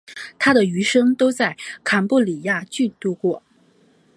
他的余生都在坎布里亚郡度过。